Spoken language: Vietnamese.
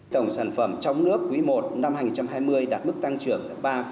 tổng sản phẩm trong nước quý i năm hai nghìn hai mươi đạt mức tăng trưởng ba tám mươi hai